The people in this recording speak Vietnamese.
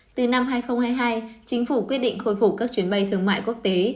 từ năm hai nghìn hai mươi hai chính phủ quyết định khôi phục các chuyến bay thương mại quốc tế